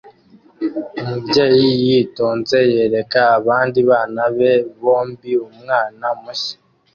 Umubyeyi yitonze yereka abandi bana be bombi umwana mushya